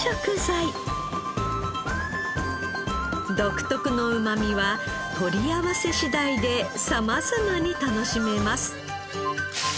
独特のうまみは取り合わせ次第でさまざまに楽しめます。